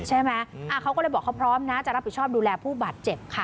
ใช่ไหมเขาก็เลยบอกเขาพร้อมนะจะรับผิดชอบดูแลผู้บาดเจ็บค่ะ